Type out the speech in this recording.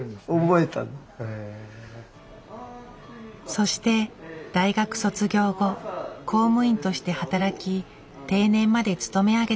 そして大学卒業後公務員として働き定年まで勤め上げたそう。